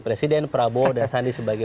presiden prabowo dan sandi sebagai